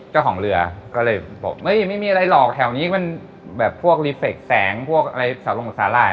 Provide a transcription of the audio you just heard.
เจ้าของเรือก็เลยบอกเฮ้ยไม่มีอะไรหรอกแถวนี้มันแบบพวกรีเฟคแสงพวกอะไรสาลงสาหร่าย